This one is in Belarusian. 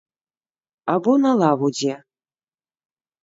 Або на лаву дзе.